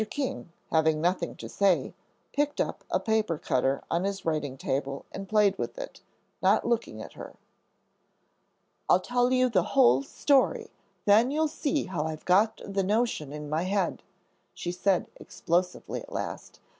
King, having nothing to say, picked up a paper cutter on his writing table and played with it, not looking at her. "I'll tell you the whole story, then you'll see how I've got the notion in my head," she said explosively at last.